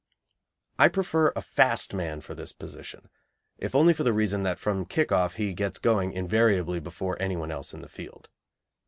I prefer a fast man for this position, if only for the reason that from the kick off he gets going invariably before anyone else in the field.